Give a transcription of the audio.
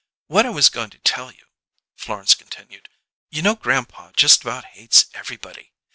"What I was goin' to tell you," Florence continued, "you know grandpa just about hates everybody.